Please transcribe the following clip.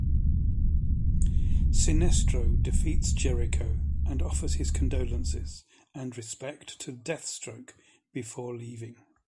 Sinestro defeats Jericho and offers his condolences and respect to Deathstroke before leaving.